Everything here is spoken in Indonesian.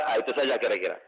nah itu saja kira kira